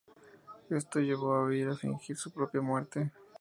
Esto la llevó a huir y a fingir su propia muerte.